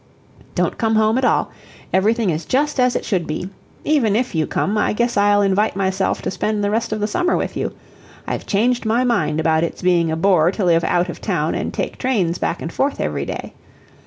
Don't come home at all everything is just as it should be even if you come, I guess I'll invite myself to spend the rest of the summer with you; I've changed my mind about its being a bore to live out of town and take trains back and forth every day.